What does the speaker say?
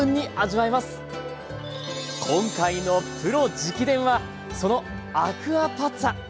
今回の「プロ直伝！」はそのアクアパッツァ。